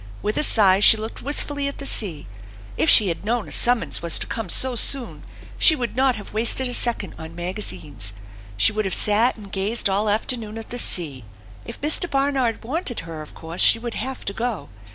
With a sigh she looked wist fully at the sea. If she had only known a summons was to come so soon she would not have wasted a second on maga zines. She would have sat and gazed all the afternoon at the sea. If Mr. Barnard wanted her, of course she would have to go.